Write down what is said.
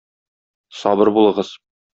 Сабыр булыгыз.